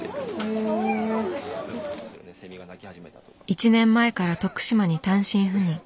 １年前から徳島に単身赴任。